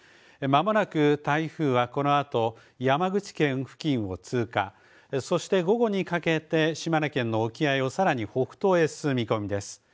まもなく台風はこのあと山口県付近を通過、そして午後にかけて島根県の沖合をさらに北東へ進む見込みです。